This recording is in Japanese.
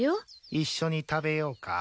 一緒に食べようか。